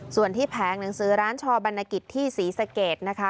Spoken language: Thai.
ส่วนที่แผงหนังสือร้านชอบรรณกิจที่ศรีสะเกดนะคะ